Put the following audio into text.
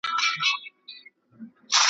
تا تر قیامته په اورغوي کي کتلای نه سم .